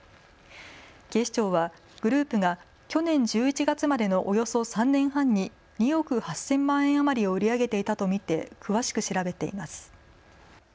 警視庁はグループが去年１１月までのおよそ３年半に２億８０００万円余りを売り上げていたと見て詳しく調べています。